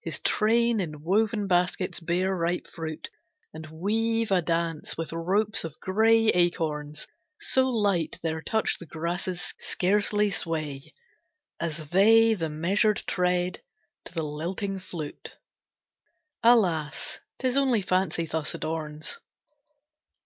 His train in woven baskets bear ripe fruit And weave a dance with ropes of gray acorns, So light their touch the grasses scarcely sway As they the measure tread to the lilting flute. Alas! 't is only Fancy thus adorns.